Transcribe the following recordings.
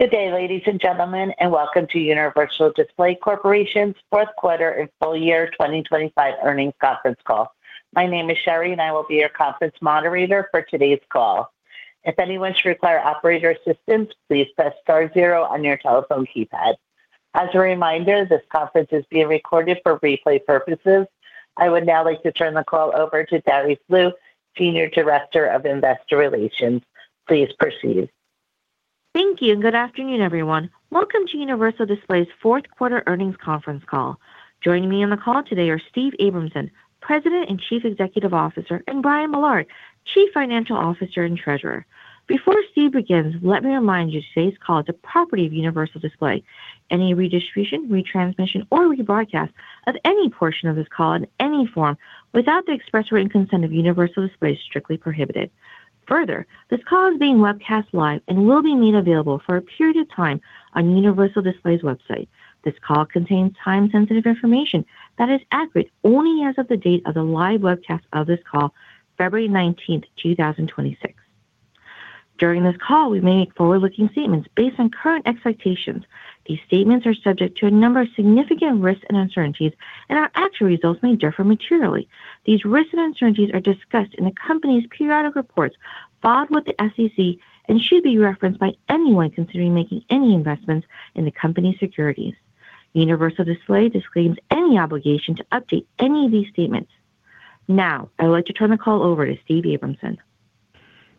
Good day, ladies and gentlemen, and welcome to Universal Display Corporation's fourth quarter and full year 2025 earnings conference call. My name is Sherry, and I will be your conference moderator for today's call. If anyone should require operator assistance, please press star zero on your telephone keypad. As a reminder, this conference is being recorded for replay purposes. I would now like to turn the call over to Darice Liu, Senior Director of Investor Relations. Please proceed. Thank you, and good afternoon, everyone. Welcome to Universal Display's fourth quarter earnings conference call. Joining me on the call today are Steve Abramson, President and Chief Executive Officer, and Brian Millard, Chief Financial Officer and Treasurer. Before Steve begins, let me remind you, today's call is a property of Universal Display. Any redistribution, retransmission, or rebroadcast of any portion of this call in any form without the express written consent of Universal Display is strictly prohibited. Further, this call is being webcast live and will be made available for a period of time on Universal Display's website. This call contains time-sensitive information that is accurate only as of the date of the live webcast of this call, February 19th, 2026. During this call, we may make forward-looking statements based on current expectations. These statements are subject to a number of significant risks and uncertainties, and our actual results may differ materially. These risks and uncertainties are discussed in the company's periodic reports filed with the SEC and should be referenced by anyone considering making any investments in the company's securities. Universal Display disclaims any obligation to update any of these statements. Now, I'd like to turn the call over to Steve Abramson.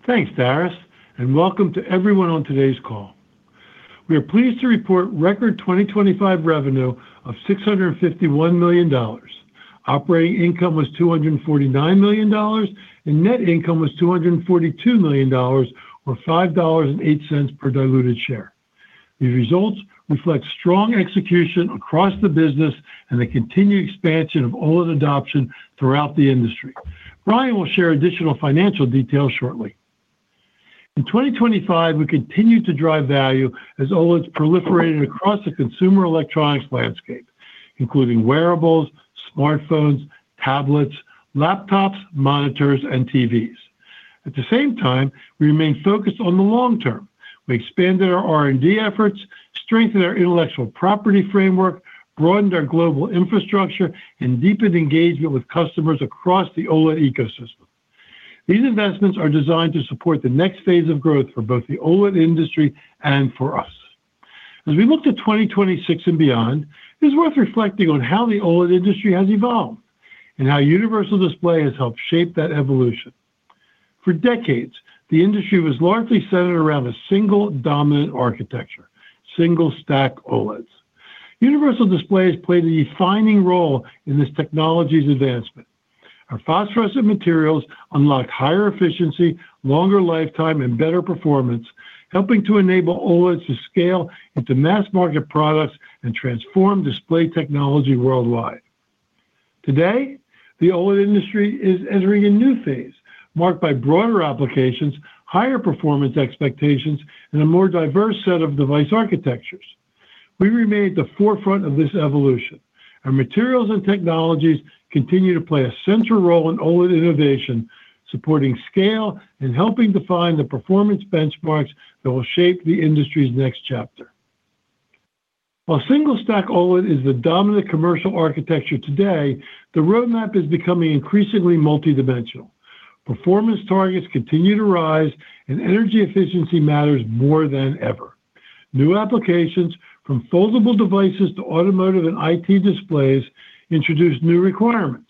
Thanks, Darice, and welcome to everyone on today's call. We are pleased to report record 2025 revenue of $651 million. Operating income was $249 million, and net income was $242 million, or $5.08 per diluted share. These results reflect strong execution across the business and the continued expansion of OLED adoption throughout the industry. Brian will share additional financial details shortly. In 2025, we continued to drive value as OLEDs proliferated across the consumer electronics landscape, including wearables, smartphones, tablets, laptops, monitors, and TVs. At the same time, we remained focused on the long term. We expanded our R&D efforts, strengthened our intellectual property framework, broadened our global infrastructure, and deepened engagement with customers across the OLED ecosystem. These investments are designed to support the next phase of growth for both the OLED industry and for us. As we look to 2026 and beyond, it's worth reflecting on how the OLED industry has evolved and how Universal Display has helped shape that evolution. For decades, the industry was largely centered around a single dominant architecture, single-stack OLEDs. Universal Display has played a defining role in this technology's advancement. Our phosphorescent materials unlock higher efficiency, longer lifetime, and better performance, helping to enable OLEDs to scale into mass-market products and transform display technology worldwide. Today, the OLED industry is entering a new phase marked by broader applications, higher performance expectations, and a more diverse set of device architectures. We remain at the forefront of this evolution. Our materials and technologies continue to play a central role in OLED innovation, supporting scale and helping define the performance benchmarks that will shape the industry's next chapter. While single-stack OLED is the dominant commercial architecture today, the roadmap is becoming increasingly multidimensional. Performance targets continue to rise, and energy efficiency matters more than ever. New applications, from foldable devices to automotive and IT displays, introduce new requirements.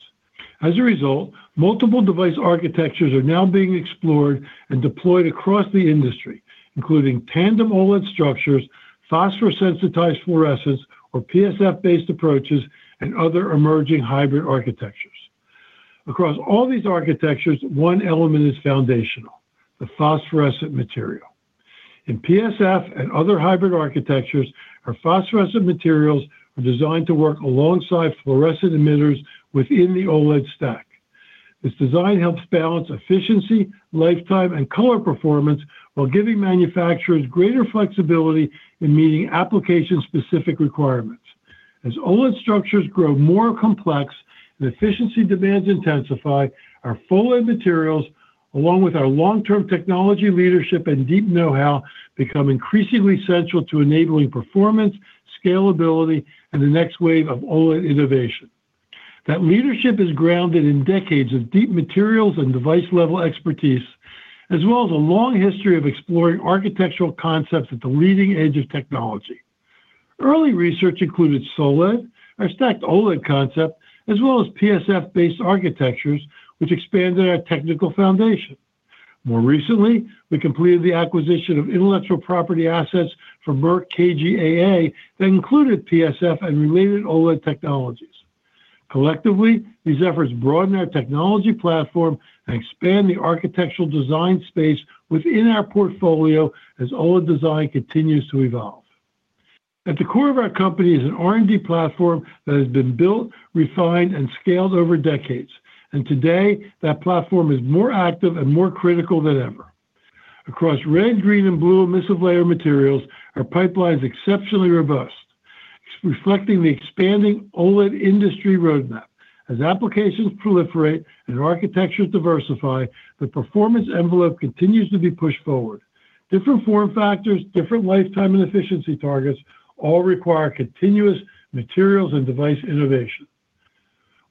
As a result, multiple device architectures are now being explored and deployed across the industry, including tandem OLED structures, phosphor sensitized fluorescence or PSF-based approaches, and other emerging hybrid architectures. Across all these architectures, one element is foundational: the phosphorescent material. In PSF and other hybrid architectures, our phosphorescent materials are designed to work alongside fluorescent emitters within the OLED stack. This design helps balance efficiency, lifetime, and color performance while giving manufacturers greater flexibility in meeting application-specific requirements. As OLED structures grow more complex and efficiency demands intensify, our full OLED materials, along with our long-term technology leadership and deep know-how, become increasingly central to enabling performance, scalability, and the next wave of OLED innovation. That leadership is grounded in decades of deep materials and device-level expertise, as well as a long history of exploring architectural concepts at the leading edge of technology. Early research included SOLED, our stacked OLED concept, as well as PSF-based architectures, which expanded our technical foundation. More recently, we completed the acquisition of intellectual property assets from Merck KGaA that included PSF and related OLED technologies. Collectively, these efforts broaden our technology platform and expand the architectural design space within our portfolio as OLED design continues to evolve. At the core of our company is an R&D platform that has been built, refined, and scaled over decades, and today, that platform is more active and more critical than ever. Across red, green, and blue emissive layer materials, our pipeline is exceptionally robust... reflecting the expanding OLED industry roadmap. As applications proliferate and architectures diversify, the performance envelope continues to be pushed forward. Different form factors, different lifetime and efficiency targets all require continuous materials and device innovation.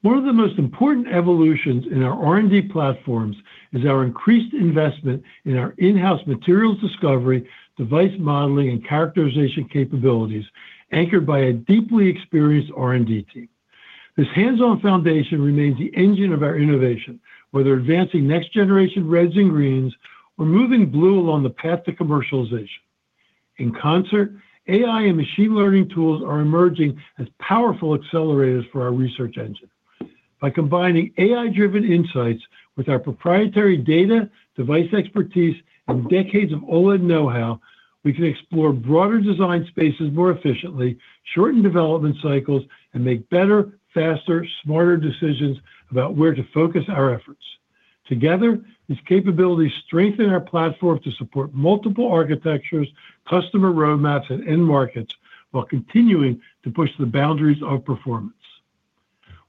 One of the most important evolutions in our R&D platforms is our increased investment in our in-house materials discovery, device modeling, and characterization capabilities, anchored by a deeply experienced R&D team. This hands-on foundation remains the engine of our innovation, whether advancing next-generation reds and greens or moving blue along the path to commercialization. In concert, AI and machine learning tools are emerging as powerful accelerators for our research engine. By combining AI-driven insights with our proprietary data, device expertise, and decades of OLED know-how, we can explore broader design spaces more efficiently, shorten development cycles, and make better, faster, smarter decisions about where to focus our efforts. Together, these capabilities strengthen our platform to support multiple architectures, customer roadmaps, and end markets, while continuing to push the boundaries of performance.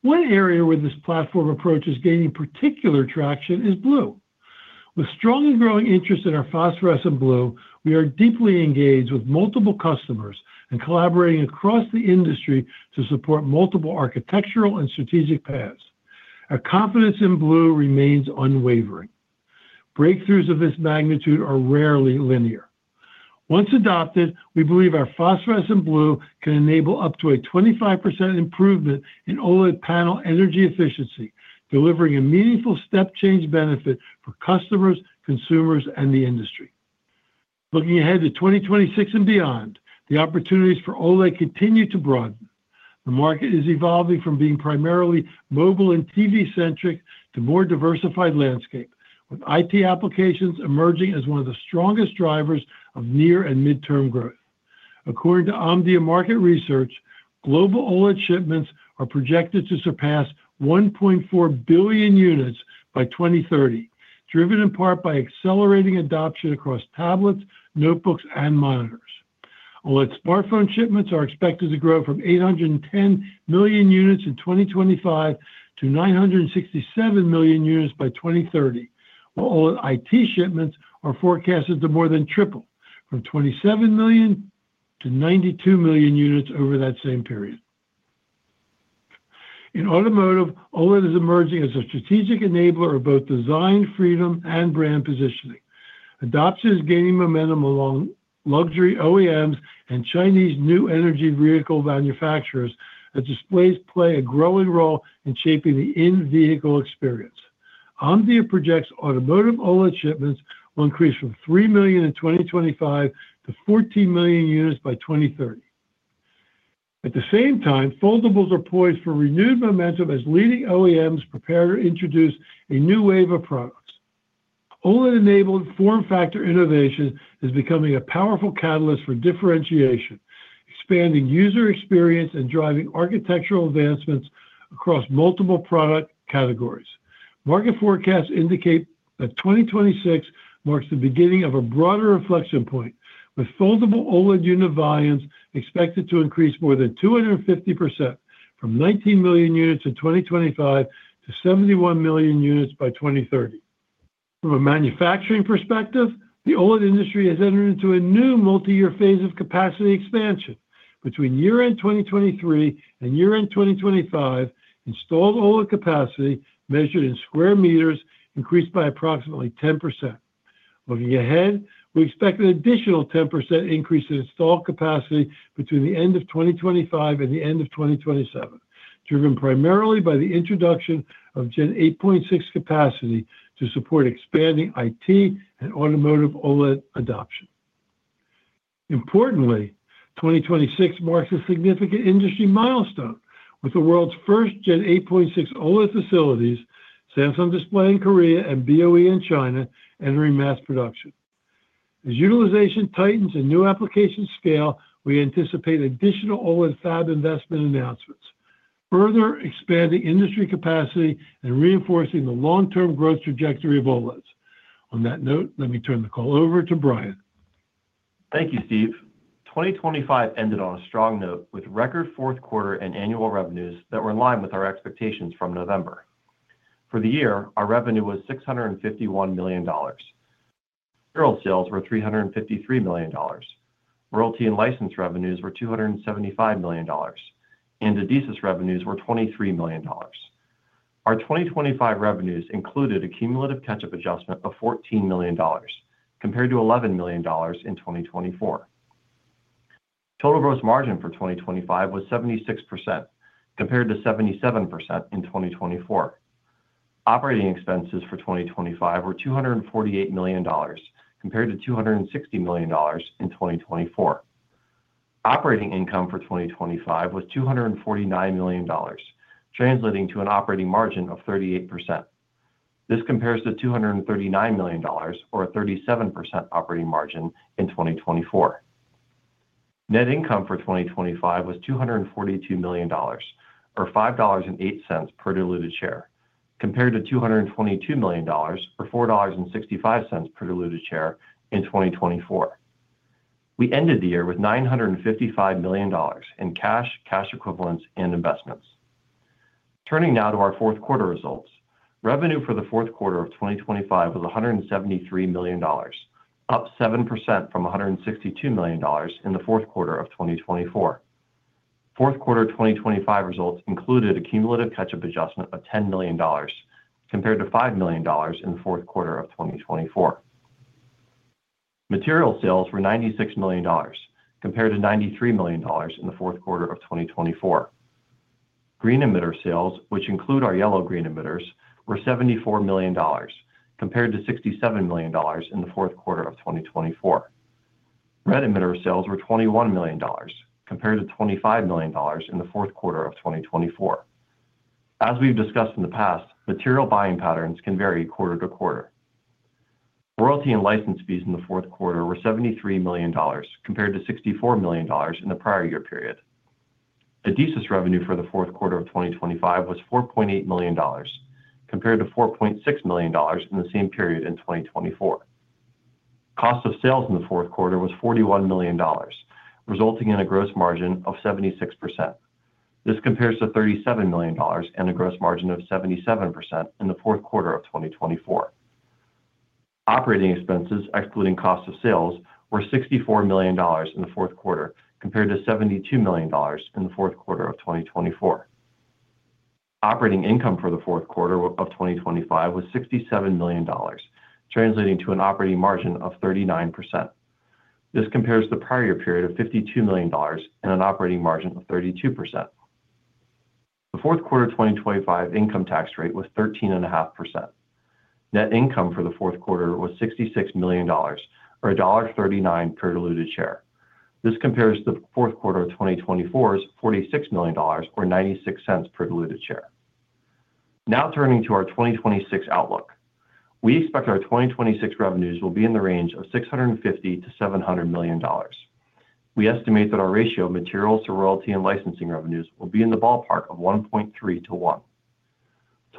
One area where this platform approach is gaining particular traction is blue. With strong and growing interest in our phosphorescent blue, we are deeply engaged with multiple customers and collaborating across the industry to support multiple architectural and strategic paths. Our confidence in blue remains unwavering. Breakthroughs of this magnitude are rarely linear. Once adopted, we believe our phosphorescent blue can enable up to a 25% improvement in OLED panel energy efficiency, delivering a meaningful step-change benefit for customers, consumers, and the industry. Looking ahead to 2026 and beyond, the opportunities for OLED continue to broaden. The market is evolving from being primarily mobile and TV-centric to more diversified landscape, with IT applications emerging as one of the strongest drivers of near and midterm growth. According to Omdia Market Research, global OLED shipments are projected to surpass 1.4 billion units by 2030, driven in part by accelerating adoption across tablets, notebooks, and monitors. OLED smartphone shipments are expected to grow from 810 million units in 2025 to 967 million units by 2030, while OLED IT shipments are forecasted to more than triple, from 27 million to 92 million units over that same period. In automotive, OLED is emerging as a strategic enabler of both design freedom and brand positioning. Adoption is gaining momentum along luxury OEMs and Chinese new energy vehicle manufacturers, as displays play a growing role in shaping the in-vehicle experience. Omdia projects automotive OLED shipments will increase from 3 million in 2025 to 14 million units by 2030. At the same time, foldables are poised for renewed momentum as leading OEMs prepare to introduce a new wave of products. OLED-enabled form factor innovation is becoming a powerful catalyst for differentiation, expanding user experience, and driving architectural advancements across multiple product categories. Market forecasts indicate that 2026 marks the beginning of a broader inflection point, with foldable OLED unit volumes expected to increase more than 250%, from 19 million units in 2025 to 71 million units by 2030. From a manufacturing perspective, the OLED industry has entered into a new multi-year phase of capacity expansion. Between year-end 2023 and year-end 2025, installed OLED capacity, measured in square meters, increased by approximately 10%. Looking ahead, we expect an additional 10% increase in installed capacity between the end of 2025 and the end of 2027, driven primarily by the introduction of Gen 8.6 capacity to support expanding IT and automotive OLED adoption. Importantly, 2026 marks a significant industry milestone, with the world's first Gen 8.6 OLED facilities, Samsung Display in Korea and BOE in China, entering mass production. As utilization tightens and new applications scale, we anticipate additional OLED fab investment announcements, further expanding industry capacity and reinforcing the long-term growth trajectory of OLEDs. On that note, let me turn the call over to Brian. Thank you, Steve. 2025 ended on a strong note, with record fourth quarter and annual revenues that were in line with our expectations from November. For the year, our revenue was $651 million. Material sales were $353 million, royalty and license revenues were $275 million, and Adesis revenues were $23 million. Our 2025 revenues included a Cumulative Catch-Up Adjustment of $14 million, compared to $11 million in 2024. Total gross margin for 2025 was 76%, compared to 77% in 2024. Operating expenses for 2025 were $248 million, compared to $260 million in 2024. Operating income for 2025 was $249 million, translating to an operating margin of 38%. This compares to $239 million or a 37% operating margin in 2024. Net income for 2025 was $242 million, or $5.08 per diluted share.... compared to $222 million, or $4.65 per diluted share in 2024. We ended the year with $955 million in cash, cash equivalents, and investments. Turning now to our fourth quarter results. Revenue for the fourth quarter of 2025 was $173 million, up 7% from $162 million in the fourth quarter of 2024. Fourth quarter 2025 results included a cumulative catch-up adjustment of $10 million, compared to $5 million in the fourth quarter of 2024. Material sales were $96 million, compared to $93 million in the fourth quarter of 2024. Green emitter sales, which include our yellow-green emitters, were $74 million, compared to $67 million in the fourth quarter of 2024. Red emitter sales were $21 million, compared to $25 million in the fourth quarter of 2024. As we've discussed in the past, material buying patterns can vary quarter to quarter. Royalty and license fees in the fourth quarter were $73 million, compared to $64 million in the prior year period. Adesis revenue for the fourth quarter of 2025 was $4.8 million, compared to $4.6 million in the same period in 2024. Cost of sales in the fourth quarter was $41 million, resulting in a gross margin of 76%. This compares to $37 million and a gross margin of 77% in the fourth quarter of 2024. Operating expenses, excluding cost of sales, were $64 million in the fourth quarter, compared to $72 million in the fourth quarter of 2024. Operating income for the fourth quarter of 2025 was $67 million, translating to an operating margin of 39%. This compares to the prior year period of $52 million and an operating margin of 32%. The fourth quarter 2025 income tax rate was 13.5%. Net income for the fourth quarter was $66 million, or $1.39 per diluted share. This compares to the fourth quarter of 2024's $46 million or $0.96 per diluted share. Now turning to our 2026 outlook. We expect our 2026 revenues will be in the range of $650 million-$700 million. We estimate that our ratio of materials to royalty and licensing revenues will be in the ballpark of 1.3 to 1.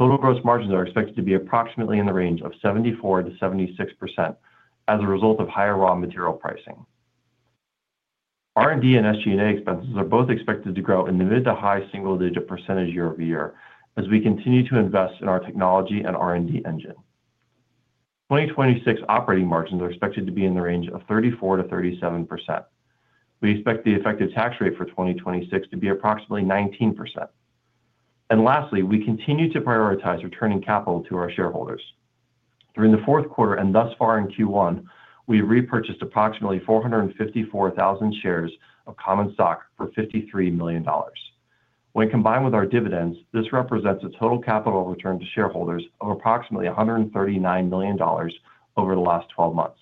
Total gross margins are expected to be approximately in the range of 74%-76% as a result of higher raw material pricing. R&D and SG&A expenses are both expected to grow in the mid- to high-single-digit percentage year-over-year, as we continue to invest in our technology and R&D engine. 2026 operating margins are expected to be in the range of 34%-37%. We expect the effective tax rate for 2026 to be approximately 19%. And lastly, we continue to prioritize returning capital to our shareholders. During the fourth quarter and thus far in Q1, we repurchased approximately 454,000 shares of common stock for $53 million. When combined with our dividends, this represents a total capital return to shareholders of approximately $139 million over the last 12 months.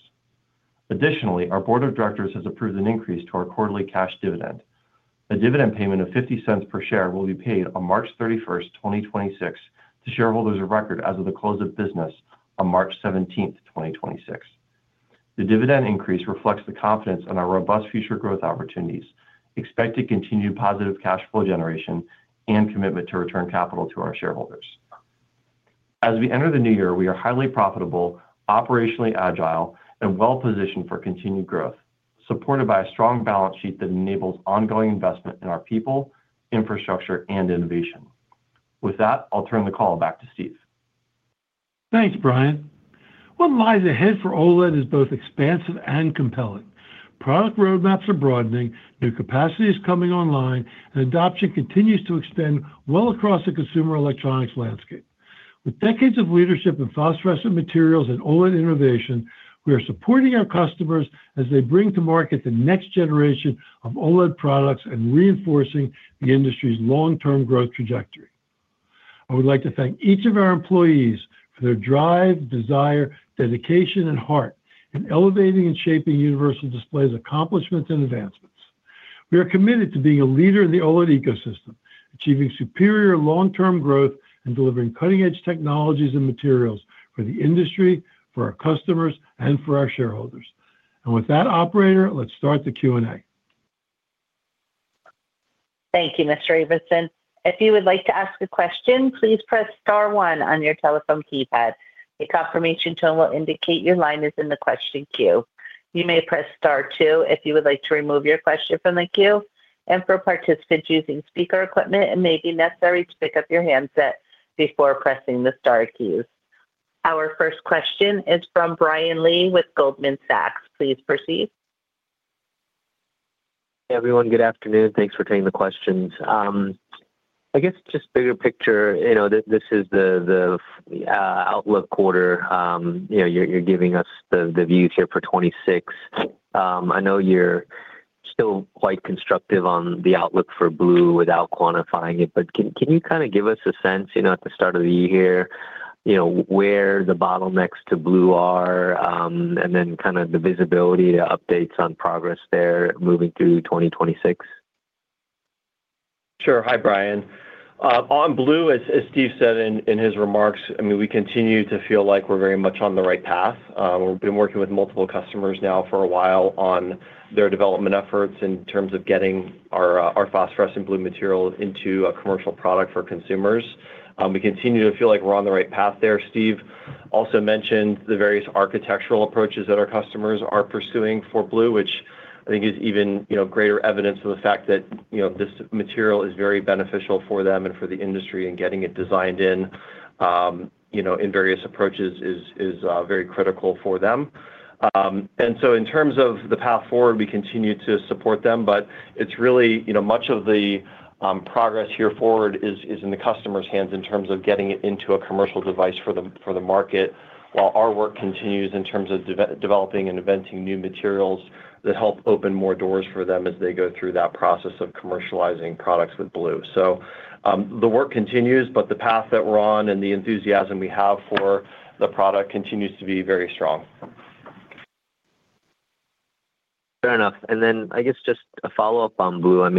Additionally, our board of directors has approved an increase to our quarterly cash dividend. A dividend payment of $0.50 per share will be paid on March 31st, 2026, to shareholders of record as of the close of business on March 17th, 2026. The dividend increase reflects the confidence in our robust future growth opportunities, expect to continue positive cash flow generation, and commitment to return capital to our shareholders. As we enter the new year, we are highly profitable, operationally agile, and well-positioned for continued growth, supported by a strong balance sheet that enables ongoing investment in our people, infrastructure, and innovation. With that, I'll turn the call back to Steve. Thanks, Brian. What lies ahead for OLED is both expansive and compelling. Product roadmaps are broadening, new capacity is coming online, and adoption continues to extend well across the consumer electronics landscape. With decades of leadership in phosphorescent materials and OLED innovation, we are supporting our customers as they bring to market the next generation of OLED products and reinforcing the industry's long-term growth trajectory. I would like to thank each of our employees for their drive, desire, dedication, and heart in elevating and shaping Universal Display's accomplishments and advancements. We are committed to being a leader in the OLED ecosystem, achieving superior long-term growth, and delivering cutting-edge technologies and materials for the industry, for our customers, and for our shareholders. With that, operator, let's start the Q&A. Thank you, Mr. Abramson. If you would like to ask a question, please press star 1 on your telephone keypad. A confirmation tone will indicate your line is in the question queue. You may press star 2 if you would like to remove your question from the queue. For participants using speaker equipment, it may be necessary to pick up your handset before pressing the star keys. Our first question is from Brian Lee with Goldman Sachs. Please proceed. Hey, everyone. Good afternoon. Thanks for taking the questions. I guess just bigger picture, you know, this is the outlook quarter. You know, you're giving us the views here for 2026. I know you're still quite constructive on the outlook for blue without quantifying it, but can you kind of give us a sense, you know, at the start of the year, you know, where the bottlenecks to blue are? And then kind of the visibility to updates on progress there moving through 2026? Sure. Hi, Brian. On blue, as Steve said in his remarks, I mean, we continue to feel like we're very much on the right path. We've been working with multiple customers now for a while on their development efforts in terms of getting our phosphorescent blue material into a commercial product for consumers. We continue to feel like we're on the right path there. Steve also mentioned the various architectural approaches that our customers are pursuing for blue, which I think is even, you know, greater evidence of the fact that, you know, this material is very beneficial for them and for the industry, and getting it designed in, you know, in various approaches is very critical for them. And so in terms of the path forward, we continue to support them, but it's really, you know, much of the progress here forward is in the customer's hands in terms of getting it into a commercial device for the market, while our work continues in terms of developing and inventing new materials that help open more doors for them as they go through that process of commercializing products with blue. So, the work continues, but the path that we're on and the enthusiasm we have for the product continues to be very strong. Fair enough. And then I guess just a follow-up on blue. I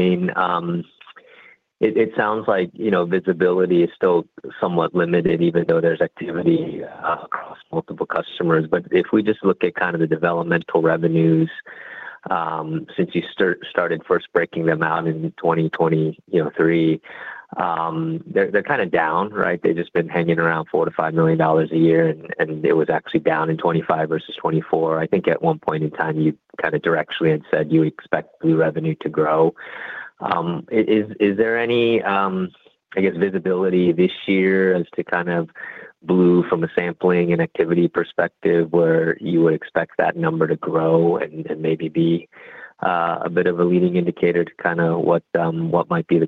mean, it sounds like, you know, visibility is still somewhat limited, even though there's activity across multiple customers. But if we just look at kind of the developmental revenues, since you started first breaking them out in 2023, you know, they're kind of down, right? They've just been hanging around $4 million-$5 million a year, and it was actually down in 2025 versus 2024. I think at one point in time, you kind of directly had said you expect blue revenue to grow. Is there any, I guess, visibility this year as to kind of blue from a sampling and activity perspective, where you would expect that number to grow and maybe be a bit of a leading indicator to kind of what what might be the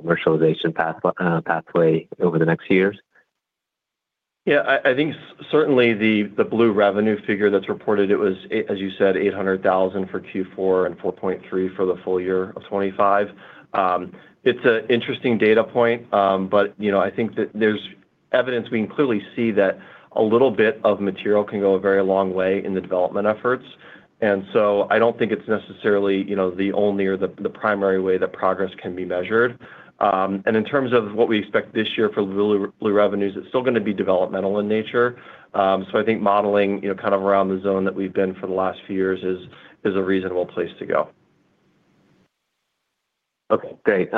commercialization pathway over the next years? Yeah, I think certainly the blue revenue figure that's reported. It was as you said, $800,000 for Q4 and $4.3 million for the full year of 2025. It's an interesting data point, but you know, I think that there's evidence we can clearly see that a little bit of material can go a very long way in the development efforts. And so I don't think it's necessarily, you know, the only or the primary way that progress can be measured. And in terms of what we expect this year for blue revenues, it's still gonna be developmental in nature. So I think modeling, you know, kind of around the zone that we've been for the last few years is a reasonable place to go. Okay, great.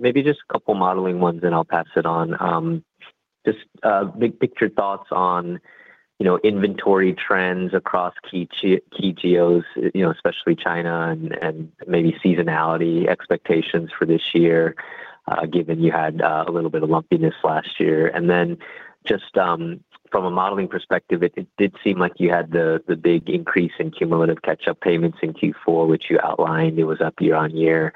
Maybe just a couple modeling ones, then I'll pass it on. Just big picture thoughts on, you know, inventory trends across key geos, you know, especially China and maybe seasonality expectations for this year, given you had a little bit of lumpiness last year. Then just from a modeling perspective, it did seem like you had the big increase in cumulative catch-up payments in Q4, which you outlined. It was up year-on-year.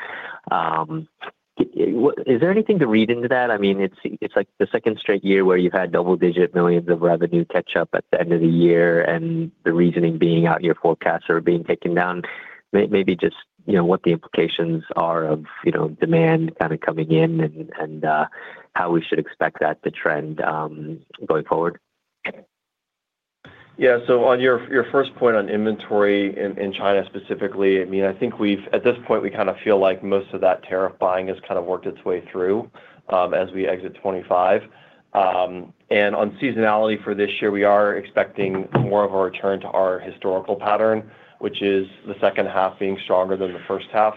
Is there anything to read into that? I mean, it's like the second straight year where you've had double-digit millions of revenue catch up at the end of the year, and the reasoning being out, your forecasts are being taken down. Maybe just, you know, what the implications are of, you know, demand kind of coming in and how we should expect that to trend going forward. Yeah. So on your first point on inventory in China specifically, I mean, I think we've at this point, we kind of feel like most of that tariff buying has kind of worked its way through, as we exit 2025. And on seasonality for this year, we are expecting more of a return to our historical pattern, which is the second half being stronger than the first half.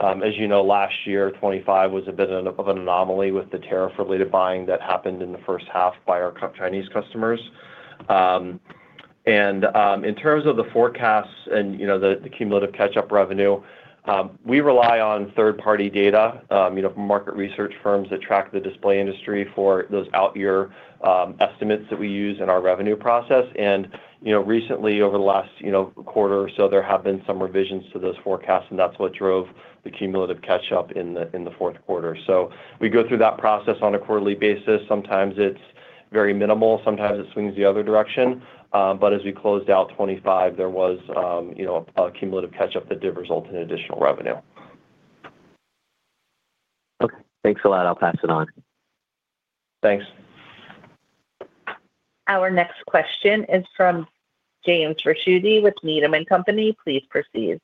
As you know, last year, 2025 was a bit of an anomaly with the tariff-related buying that happened in the first half by our Chinese customers. And, in terms of the forecasts and, you know, the cumulative catch-up revenue, we rely on third-party data, you know, from market research firms that track the display industry for those out year estimates that we use in our revenue process. You know, recently, over the last, you know, quarter or so, there have been some revisions to those forecasts, and that's what drove the Cumulative Catch-Up in the fourth quarter. So we go through that process on a quarterly basis. Sometimes it's very minimal, sometimes it swings the other direction. But as we closed out 2025, there was, you know, a Cumulative Catch-Up that did result in additional revenue. Okay. Thanks a lot. I'll pass it on. Thanks. Our next question is from James Ricchiuti with Needham & Company. Please proceed.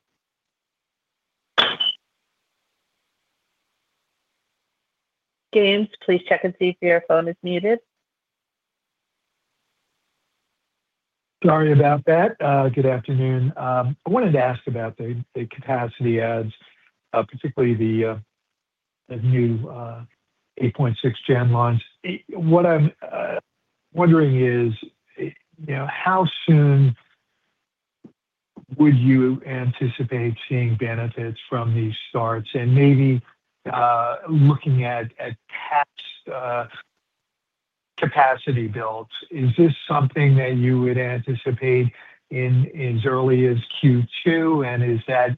James, please check and see if your phone is muted. Sorry about that. Good afternoon. I wanted to ask about the capacity adds, particularly the new Gen 8.6 launch. What I'm wondering is, you know, how soon would you anticipate seeing benefits from these starts? And maybe looking at max capacity builds, is this something that you would anticipate in as early as Q2? And is that,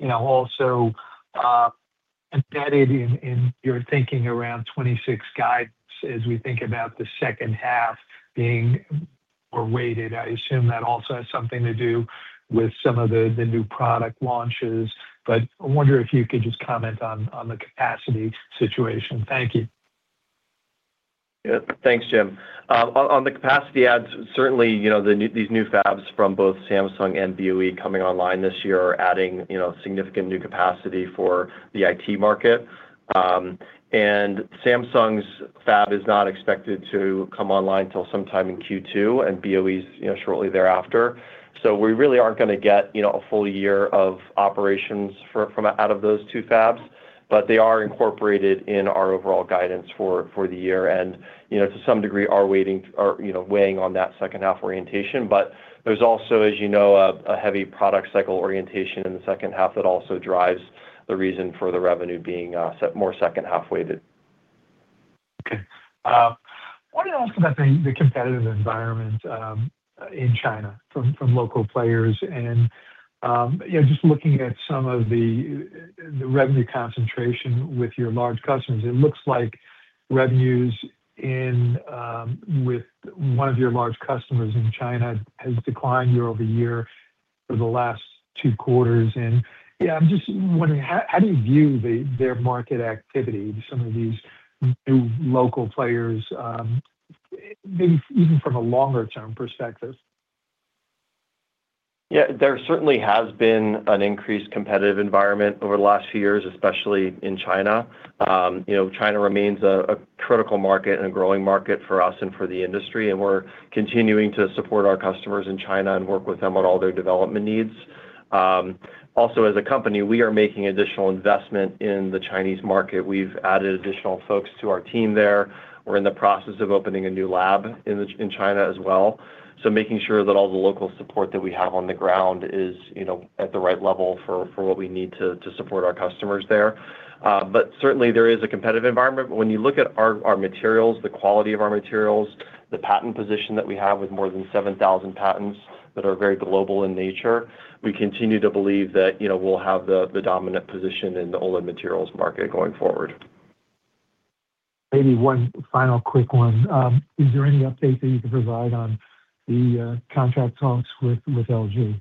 you know, also embedded in your thinking around 2026 guides as we think about the second half being back-weighted? I assume that also has something to do with some of the new product launches, but I wonder if you could just comment on the capacity situation. Thank you. Yeah. Thanks, Jim. On the capacity adds, certainly, you know, these new fabs from both Samsung and BOE coming online this year are adding, you know, significant new capacity for the IT market. And Samsung's fab is not expected to come online till sometime in Q2, and BOE's, you know, shortly thereafter. So we really aren't gonna get, you know, a full year of operations from out of those two fabs. But they are incorporated in our overall guidance for the year, and, you know, to some degree, are weighing on that second half orientation. But there's also, as you know, a heavy product cycle orientation in the second half that also drives the reason for the revenue being set more second half-weighted. Okay. I wanted to ask about the competitive environment in China from local players. And, you know, just looking at some of the revenue concentration with your large customers, it looks like revenues with one of your large customers in China has declined year-over-year for the last two quarters. And, yeah, I'm just wondering, how do you view their market activity, some of these new local players, maybe even from a longer term perspective? Yeah, there certainly has been an increased competitive environment over the last few years, especially in China. You know, China remains a, a critical market and a growing market for us and for the industry, and we're continuing to support our customers in China and work with them on all their development needs. Also, as a company, we are making additional investment in the Chinese market. We've added additional folks to our team there. We're in the process of opening a new lab in the, in China as well. So making sure that all the local support that we have on the ground is, you know, at the right level for, for what we need to, to support our customers there. But certainly there is a competitive environment. But when you look at our materials, the quality of our materials, the patent position that we have with more than 7,000 patents that are very global in nature, we continue to believe that, you know, we'll have the dominant position in the OLED materials market going forward. Maybe one final quick one. Is there any update that you can provide on the contract talks with LG?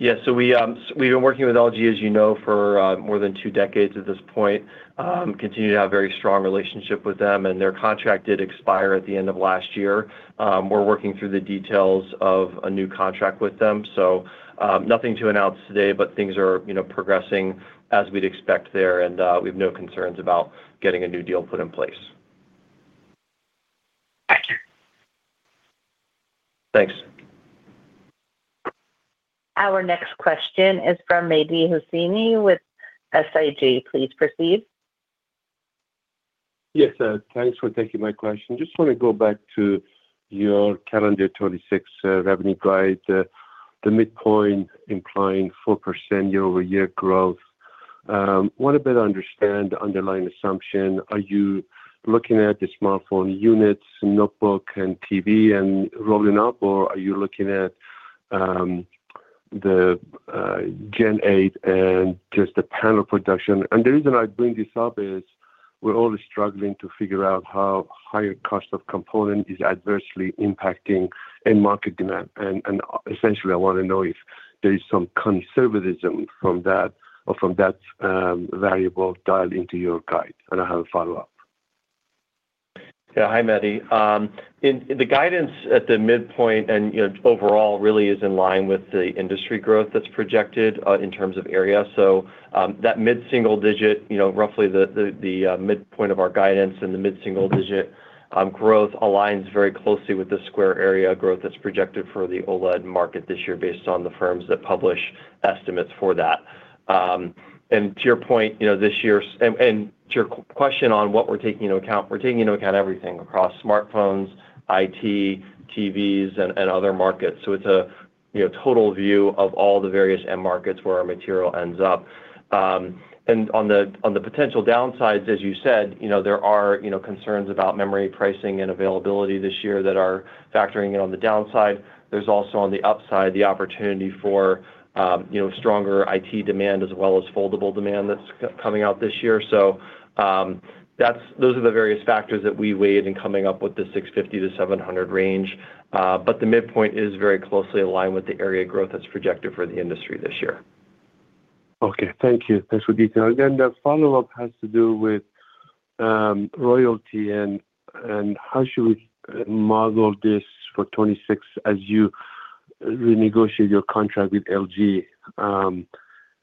Yes. So we, we've been working with LG, as you know, for more than two decades at this point. Continue to have a very strong relationship with them, and their contract did expire at the end of last year. We're working through the details of a new contract with them, so, nothing to announce today, but things are, you know, progressing as we'd expect there, and we have no concerns about getting a new deal put in place. Thank you. Thanks. Our next question is from Mehdi Hosseini with SIG. Please proceed. Yes, sir. Thanks for taking my question. Just want to go back to your calendar 2026 revenue guide, the midpoint implying 4% year-over-year growth. Want to better understand the underlying assumption. Are you looking at the smartphone units, notebook and TV and rolling up, or are you looking at the Gen 8 and just the panel production? And the reason I bring this up is we're all struggling to figure out how higher cost of component is adversely impacting end market demand. And essentially, I want to know if there is some conservatism from that or from that variable dialed into your guide. And I have a follow-up. Yeah. Hi, Mehdi. In the guidance at the midpoint and, you know, overall really is in line with the industry growth that's projected in terms of area. So, that mid-single digit, you know, roughly the midpoint of our guidance and the mid-single digit growth aligns very closely with the square area growth that's projected for the OLED market this year, based on the firms that publish estimates for that. And to your point, you know, this year's and to your question on what we're taking into account, we're taking into account everything across smartphones, IT, TVs, and other markets. So it's a, you know, total view of all the various end markets where our material ends up. On the potential downsides, as you said, you know, there are, you know, concerns about memory pricing and availability this year that are factoring in on the downside. There's also, on the upside, the opportunity for, you know, stronger IT demand as well as foldable demand that's coming out this year. So, that's... Those are the various factors that we weighed in coming up with the $650-$700 range, but the midpoint is very closely aligned with the area growth that's projected for the industry this year. Okay. Thank you. Thanks for detail. Then the follow-up has to do with, royalty and, and how should we model this for 2026 as you renegotiate your contract with LG?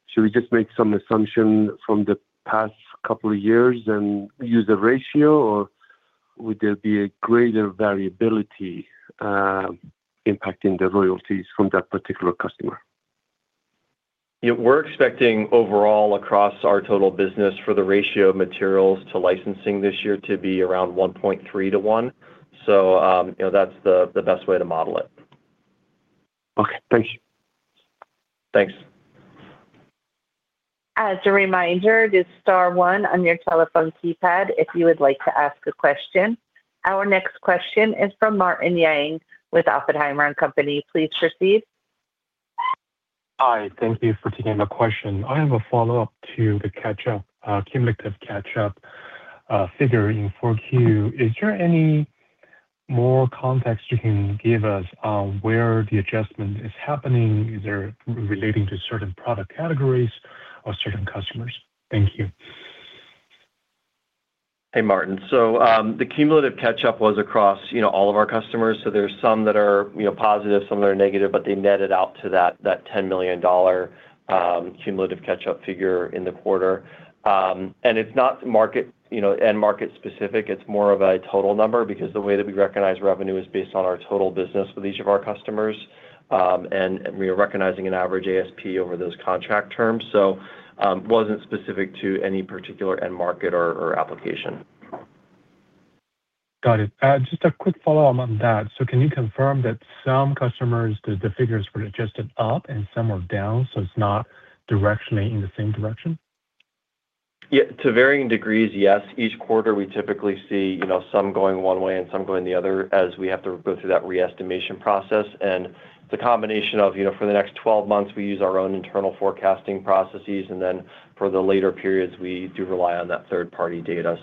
Should we just make some assumption from the past couple of years and use the ratio, or would there be a greater variability, impacting the royalties from that particular customer? Yeah, we're expecting overall, across our total business, for the ratio of materials to licensing this year to be around 1.3 to one. So, you know, that's the best way to model it. Okay. Thank you. Thanks. As a reminder, it is star one on your telephone keypad if you would like to ask a question. Our next question is from Martin Yang with Oppenheimer and Company. Please proceed. Hi, thank you for taking my question. I have a follow-up to the catch-up, cumulative catch-up, figure in Q4. Is there any more context you can give us on where the adjustment is happening? Is there relating to certain product categories or certain customers? Thank you. Hey, Martin. So, the cumulative catch-up was across, you know, all of our customers, so there's some that are, you know, positive, some that are negative, but they netted out to that, that $10 million cumulative catch-up figure in the quarter. And it's not market, you know, end market specific, it's more of a total number, because the way that we recognize revenue is based on our total business with each of our customers. And we are recognizing an average ASP over those contract terms, so, wasn't specific to any particular end market or, or application. Got it. Just a quick follow-up on that. So can you confirm that some customers, the figures were adjusted up and some were down, so it's not directionally in the same direction? Yeah. To varying degrees, yes. Each quarter, we typically see, you know, some going one way and some going the other, as we have to go through that re-estimation process. It's a combination of, you know, for the next 12 months, we use our own internal forecasting processes, and then for the later periods, we do rely on that third-party data.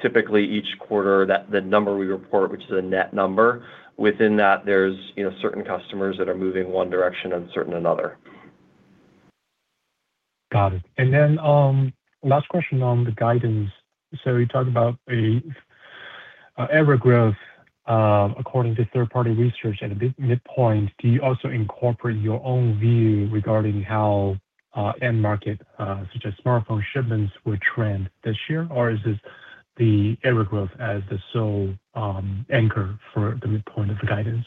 Typically each quarter, the number we report, which is a net number, within that, there's, you know, certain customers that are moving one direction and certain another. Got it. And then, last question on the guidance. So you talked about a average growth according to third-party research and a midpoint. Do you also incorporate your own view regarding how end market such as smartphone shipments will trend this year? Or is this the average growth as the sole anchor for the midpoint of the guidance?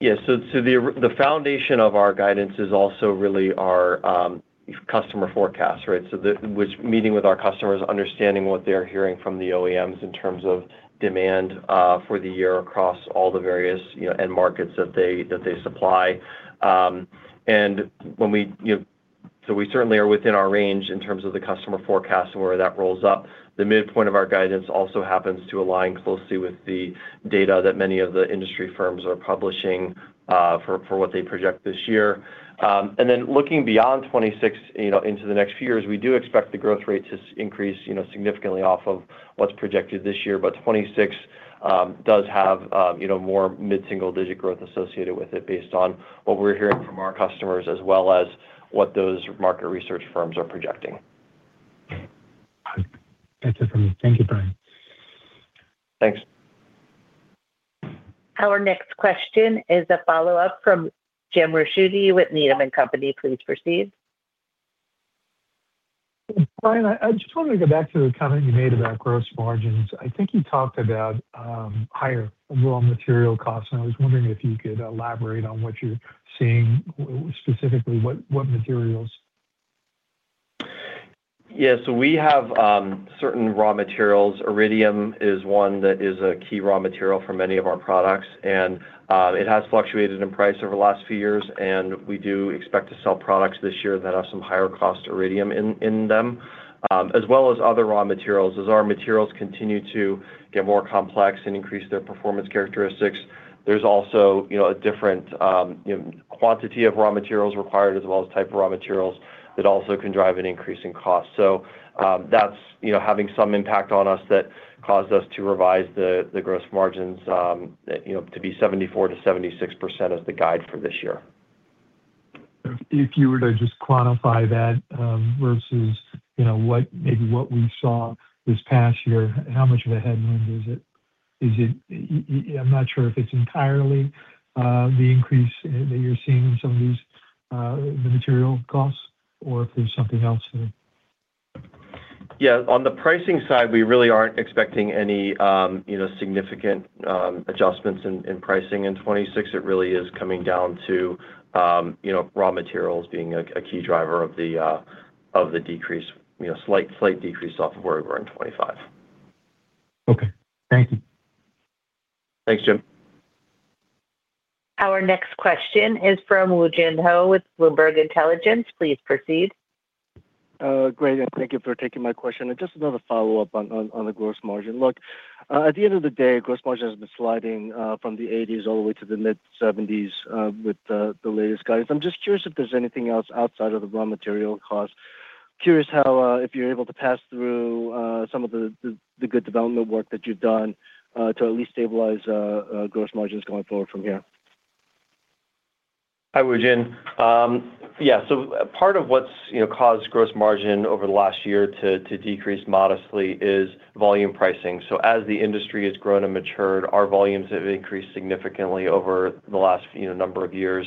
Yeah. So, the foundation of our guidance is also really our customer forecast, right? Meeting with our customers, understanding what they're hearing from the OEMs in terms of demand for the year across all the various, you know, end markets that they supply. So we certainly are within our range in terms of the customer forecast and where that rolls up. The midpoint of our guidance also happens to align closely with the data that many of the industry firms are publishing for what they project this year. And then looking beyond 2026, you know, into the next few years, we do expect the growth rate to increase, you know, significantly off of what's projected this year. 2026 does have, you know, more mid-single-digit growth associated with it, based on what we're hearing from our customers, as well as what those market research firms are projecting. Got it. That's it for me. Thank you, Brian. Thanks. Our next question is a follow-up from James Ricchiuti with Needham & Company. Please proceed. Brian, I just wanted to go back to the comment you made about gross margins. I think you talked about higher raw material costs, and I was wondering if you could elaborate on what you're seeing, specifically, what materials? Yeah. So we have certain raw materials. Iridium is one that is a key raw material for many of our products, and it has fluctuated in price over the last few years, and we do expect to sell products this year that have some higher cost iridium in them, as well as other raw materials. As our materials continue to get more complex and increase their performance characteristics, there's also, you know, a different quantity of raw materials required, as well as type of raw materials that also can drive an increase in cost. So that's, you know, having some impact on us that caused us to revise the gross margins to be 74%-76% as the guide for this year. If you were to just quantify that versus, you know, what, maybe what we saw this past year, how much of a headwind is it? Is it... I'm not sure if it's entirely the increase that you're seeing in some of these the material costs or if there's something else there. Yeah. On the pricing side, we really aren't expecting any, you know, significant adjustments in pricing in 2026. It really is coming down to, you know, raw materials being a key driver of the decrease, you know, slight decrease off of where we were in 2025. Okay. Thank you. Thanks, Jim. Our next question is from Woo Jin Ho with Bloomberg Intelligence. Please proceed. Great, and thank you for taking my question. Just another follow-up on the gross margin. Look, at the end of the day, gross margin has been sliding from the 80s all the way to the mid-70s with the latest guidance. I'm just curious if there's anything else outside of the raw material cost. Curious how if you're able to pass through some of the good development work that you've done to at least stabilize gross margins going forward from here. Hi, Woo Jin. Yeah, so part of what's, you know, caused gross margin over the last year to, to decrease modestly is volume pricing. So as the industry has grown and matured, our volumes have increased significantly over the last, you know, number of years,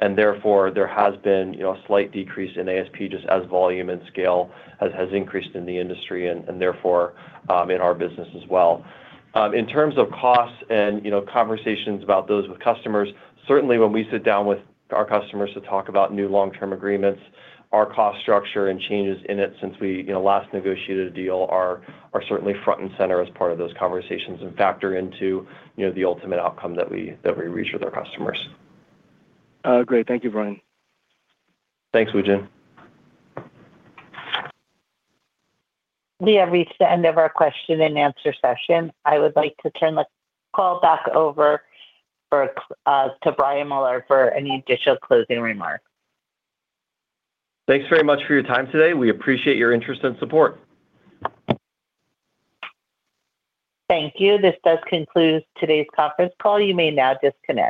and therefore, there has been, you know, a slight decrease in ASP, just as volume and scale has, has increased in the industry and, and therefore, in our business as well. In terms of costs and, you know, conversations about those with customers, certainly when we sit down with our customers to talk about new long-term agreements, our cost structure and changes in it since we, you know, last negotiated a deal are, are certainly front and center as part of those conversations and factor into, you know, the ultimate outcome that we, that we reach with our customers. Great. Thank you, Brian. Thanks, Woo Jin. We have reached the end of our question-and-answer session. I would like to turn the call back over to Brian Millard for any additional closing remarks. Thanks very much for your time today. We appreciate your interest and support. Thank you. This does conclude today's conference call. You may now disconnect.